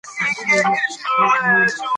د قمرۍ خلی بالاخره په ډېر مهارت سره ونې ته ورسېد.